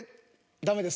「ダメです」。